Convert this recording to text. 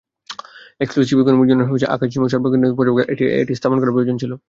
Exclusive economic জোনের আকাশ সীমা সার্বক্ষণিক পর্যবেক্ষণে এটি স্থাপন করা প্রয়োজন ছিল।